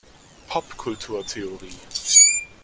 Pop Kultur Theorie".